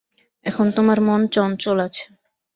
এখন তোমার মন চঞ্চল আছে।